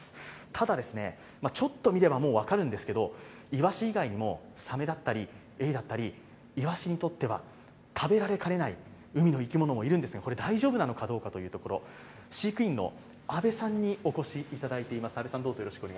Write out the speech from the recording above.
ただ、ちょっと見れば分かるんですが、イワシ以外にも鮫だったりエイだったり、イワシにとっては食べられかねない海の生き物もいるので、これ、大丈夫なのかというところ、飼育員の安部さんにお越しいただいています。